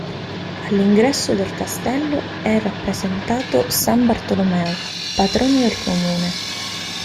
All'ingresso del castello è rappresentato San Bartolomeo, patrono del comune.